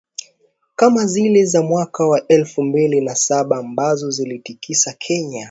kama zile za mwaka wa elfu mbili na saba ambazo ziliitikisa Kenya.